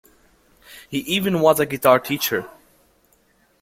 He even was a guitar teacher.